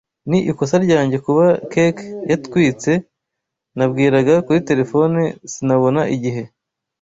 Ni ikosa ryanjye kuba cake yatwitse. Nabwiraga kuri terefone sinabona igihe.